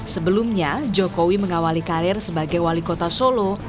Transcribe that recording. sebelumnya jokowi mengawali karir sebagai wali kota solo